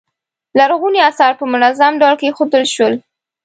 لرغوني اثار په منظم ډول کیښودل شول.